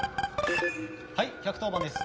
はい１１０番です。